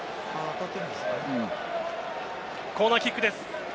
コーナーキックです。